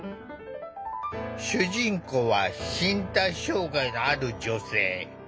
主人公は身体障害のある女性。